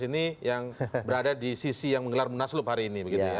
ini yang berada di sisi yang menggelar munaslup hari ini